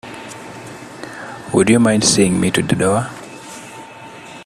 Would you mind seeing me to the door?